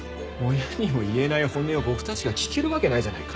親にも言えない本音を僕たちが聞けるわけないじゃないか。